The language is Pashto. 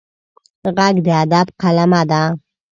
غږ د ادب قلمه ده